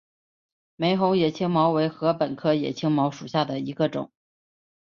玫红野青茅为禾本科野青茅属下的一个种。